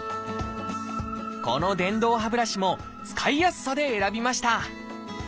この電動歯ブラシも使いやすさで選びました。